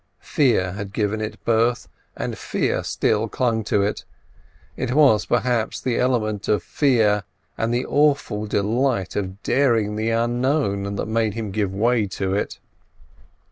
Fear had given it birth, and Fear still clung to it. It was, perhaps, the element of fear and the awful delight of daring the unknown that made him give way to it.